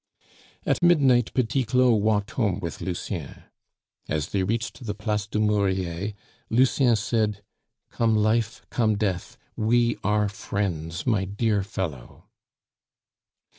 At midnight Petit Claud walked home with Lucien. As they reached the Place du Murier, Lucien said, "Come life, come death, we are friends, my dear fellow."